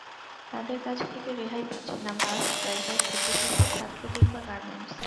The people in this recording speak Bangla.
তাঁদের কাছ থেকে রেহাই পাচ্ছে না—বাস ড্রাইভার, ছোট্ট শিশু, ছাত্র কিংবা গার্মেন্টস।